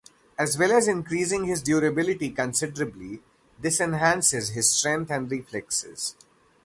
As well as increasing his durability considerably, this enhances his strength and reflexes.